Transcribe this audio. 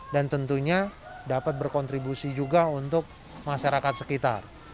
dan tentunya dapat berkontribusi juga untuk masyarakat sekitar